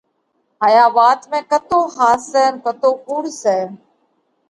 هايا وات ۾ ڪتو ۿاس سئہ ان ڪتو ڪُوڙ سئہ،